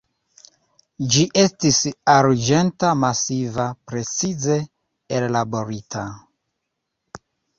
Ĝi estis arĝenta, masiva, precize ellaborita.